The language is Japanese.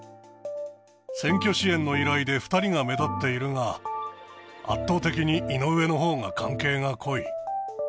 選挙支援の依頼で２人が目立っているが、圧倒的に井上のほうが関係が濃い。